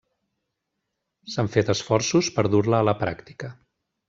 S'han fet esforços per dur-la a la pràctica.